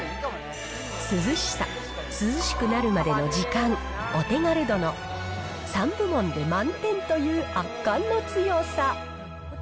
涼しさ、涼しくなるまでの時間、お手軽度の３部門で満点という圧巻の強さ。